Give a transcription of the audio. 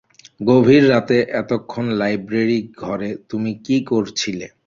গভীর রাতে এতক্ষণ লাইব্রেরি ঘরে তুমি কী করছিলে?